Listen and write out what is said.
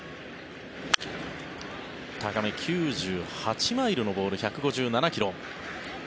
高め、９８マイルのボール１５７ｋｍ。